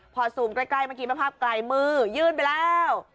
พอซูมใกล้เมื่อกี้ภาพไกลมือยื่นไปแล้ว